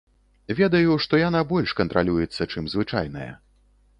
Ведаю, што яна больш кантралюецца, чым звычайная.